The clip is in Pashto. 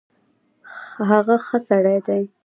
هغه ښۀ سړی ډی